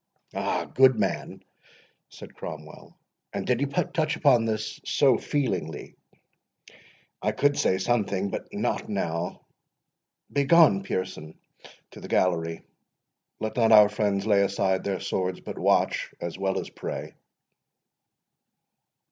"Ah, good man!" said Cromwell, "and did he touch upon this so feelingly! I could say something—but not now. Begone, Pearson, to the gallery. Let not our friends lay aside their swords, but watch as well as pray."